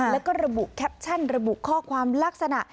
แล้วก็ระบุแคปชั่นระบุข้อความลักษณะ